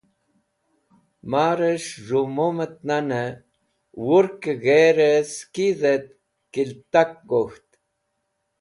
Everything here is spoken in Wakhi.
Maris̃h z̃hũ mumẽt nanẽ wurkẽ g̃herẽ sekidhẽt kiltak gok̃ht.